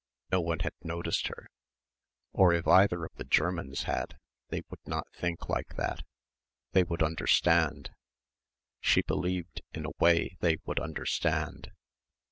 No one had noticed her or if either of the Germans had they would not think like that they would understand she believed in a way, they would understand.